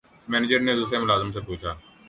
manager نے دوسرے ملازم سے پوچھا